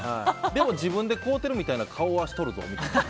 でも自分で買うてるみたいな顔しているぞみたいな。